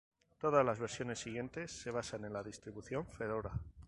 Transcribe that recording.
Todas las versiones siguientes se basan en la distribución Fedora.